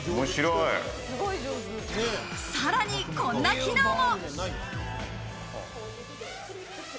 さらにこんな機能も。